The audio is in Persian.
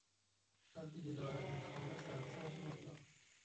وقتی که دارد میخواند سر به سرش نگذار.